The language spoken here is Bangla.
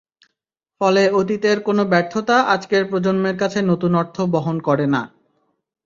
ফলে অতীতের কোনো ব্যর্থতা আজকের প্রজন্মের কাছে নতুন অর্থ বহন করে না।